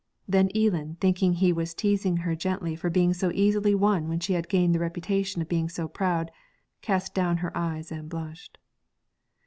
Then Eelan, thinking that he was teasing her gently for being so easily won when she had gained the reputation of being so proud, cast down her eyes and blushed.